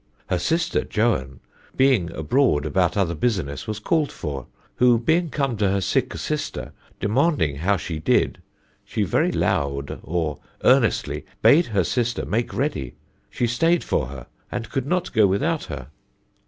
Her sister Johan being abroad about other business, was called for, who being come to her sicke sister, demaundinge how she did, she very lowde or earnestly bade her sister make ready she staid for her, and could not go without her.